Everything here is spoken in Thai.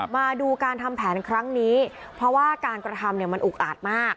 มาดูการทำแผนครั้งนี้เพราะว่าการกระทำเนี่ยมันอุกอาจมาก